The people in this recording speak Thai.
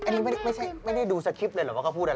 อันนี้ไม่ได้ดูสคริปต์เลยเหรอว่าเขาพูดอะไร